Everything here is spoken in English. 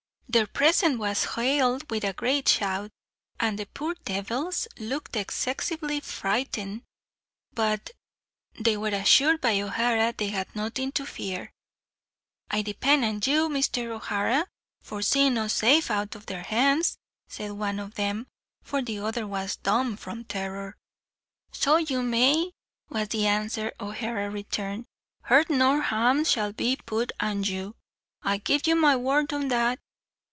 Their presence was hailed with a great shout, and the poor devils looked excessively frightened; but they were assured by O'Hara they had nothing to fear. "I depend an you, Mr. O'Hara, for seeing us safe out of their hands," said one of them, for the other was dumb from terror. "So you may," was the answer O'Hara returned. "Hurt nor harm shall not be put an you; I give you my word o' that."